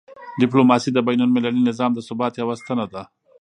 ډیپلوماسي د بینالمللي نظام د ثبات یوه ستنه ده.